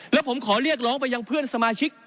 แล้วผมขอเรียกร้องไปยังเพื่อนสมาชิก